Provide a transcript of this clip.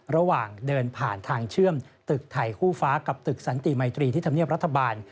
ระหว่างเดินผ่านทางเชื่อมตึกไทยคู่ฟ้ากับตึกสันติมัยตรีที่ธรรมเนียบรัฐบาล